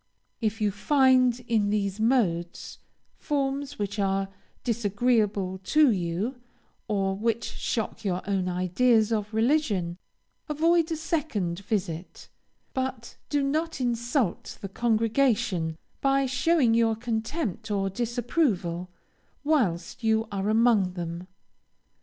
If you find, in these modes, forms which are disagreeable to you, or which shock your own ideas of religion, avoid a second visit, but do not insult the congregation, by showing your contempt or disapproval, whilst you are among them.